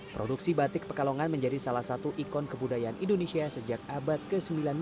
produksi batik pekalongan menjadi salah satu ikon kebudayaan indonesia sejak abad ke sembilan belas